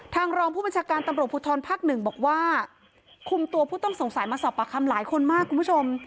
รองผู้บัญชาการตำรวจภูทรภาคหนึ่งบอกว่าคุมตัวผู้ต้องสงสัยมาสอบปากคำหลายคนมากคุณผู้ชม